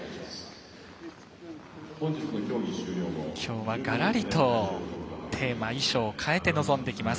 きょうは、がらりとテーマ衣装を変えて臨んできます。